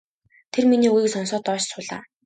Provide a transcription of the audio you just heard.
Тэр миний үгийг сонсоод доош суулаа.